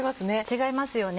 違いますよね。